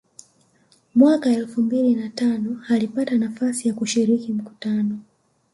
Mwaka elfu mbili na tano alipata nafasi ya kushiriki mkutano